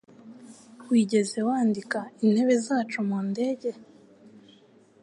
Wigeze wandika intebe zacu mu ndege?